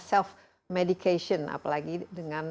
self medication apalagi dengan